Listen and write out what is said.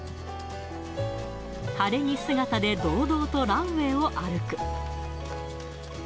晴れ着姿で堂々とランウエーを歩く。